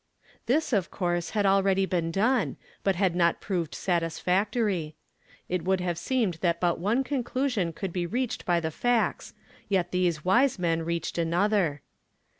Tills, of course, had already been done, but had not proved satisfactory. It would liave seemed that but one conclusion could be reached by the facts, yet these wise men reached another.